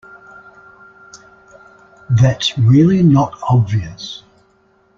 That’s really not obvious